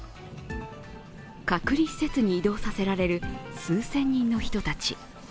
隔離施設に移動させられる数千人の人たち。